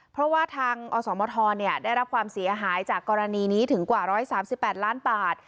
เพราะว่าทางอสมทรได้รับความเสียหายจากกรณีนี้ถึงกว่า๑๓๘ล้านบาท